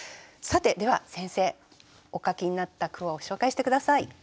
さてでは先生お書きになった句を紹介して下さい。